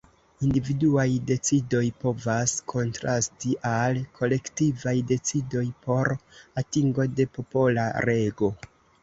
Individuaj decidoj povas kontrasti al kolektivaj decidoj por atingo de popola rego.